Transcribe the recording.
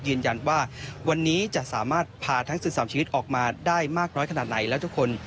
ยืนยันว่าวันนี้จะสามารถพาทั้ง๑๓ชีวิตออกมาได้มากน้อยขนาดไหนแล้วทุกคน